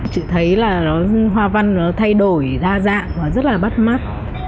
chị thấy là hoa văn thay đổi ra dạng và rất là bắt mắt